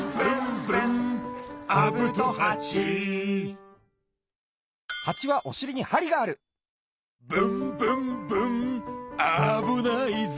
「ブンブンブンアブないぞ」